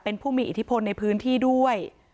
เป็นผู้มีอิทธิพลในพื้นที่ด้วย